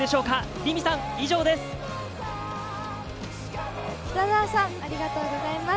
凛美さん、以上です。